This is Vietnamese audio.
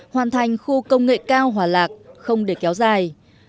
hoàn thành khu công nghệ cao hòa lạc không để kéo dài